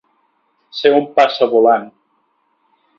Ser un passavolant.